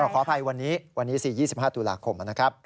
ขออภัยวันนี้วันนี้๔๒๕ตุลาคมนะครับ